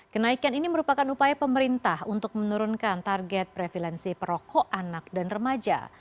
kenaikan ini merupakan upaya pemerintah untuk menurunkan target prevalensi perokok anak dan remaja